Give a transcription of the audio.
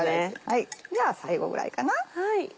じゃあ最後ぐらいかな？